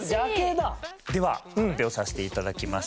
では発表させて頂きます。